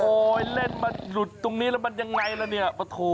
เล่นมาหลุดตรงนี้แล้วมันยังไงล่ะเนี่ยปะโถ